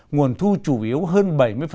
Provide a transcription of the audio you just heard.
nguồn thu chủ yếu hơn bảy mươi